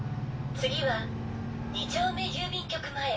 「次は２丁目郵便局前。